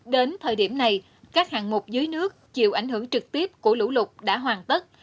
đến thời điểm này các hạng mục dưới nước chịu ảnh hưởng trực tiếp của lũ lụt đã hoàn tất